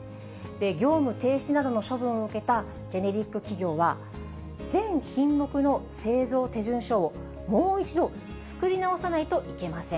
業務停止などの処分を受けたジェネリック企業は、全品目の製造手順書を、もう一度作り直さないといけません。